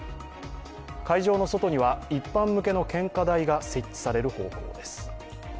会場の外には一般向けの献花台が設置される方向です。